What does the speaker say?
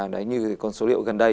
đấy như con số liệu gần đây